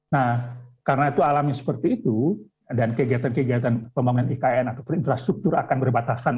nah karena itu alami seperti itu dan kegiatan kegiatan pembangunan ikn atau infrastruktur akan berbatasan